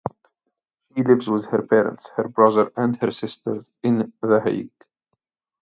She lives with her parents, her brother and her sister in The Hague.